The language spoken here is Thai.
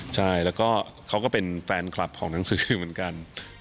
ใช่แล้วก็เขาก็เป็นแฟนคลับของหนังสือเหมือนกัน